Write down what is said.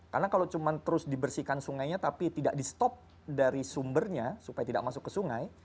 karena kalau cuma terus dibersihkan sungainya tapi tidak di stop dari sumbernya supaya tidak masuk ke sungai